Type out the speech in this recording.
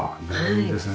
いいですね